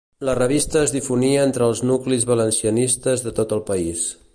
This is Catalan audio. La revista es difonia entre els nuclis valencianistes de tot el país.